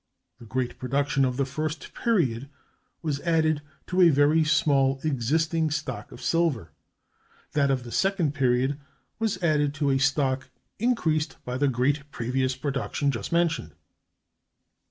The great production of the first period was added to a very small existing stock of silver; that of the second period was added to a stock increased by the great previous production just mentioned.